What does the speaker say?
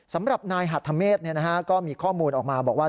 สำหรับนายหัทธเมษก็มีข้อมูลออกมาบอกว่า